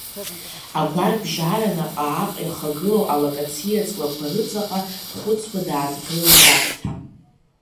Агәарабжьара наҟ-ааҟ иахагылоу алакациа ҵлақәа рыҵаҟа дхәыцуа дааҭгылеит Аԥҭа.